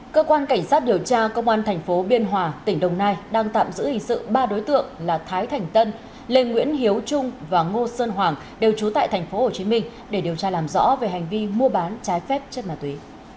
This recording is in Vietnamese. cơ quan cảnh sát điều tra công an thành phố biên hòa tỉnh đồng nai đang tạm giữ hình sự ba đối tượng là thái thành tân lê nguyễn hiếu trung và ngô sơn hoàng đều trú tại tp hcm để điều tra làm rõ về hành vi mua bán trái phép chất ma túy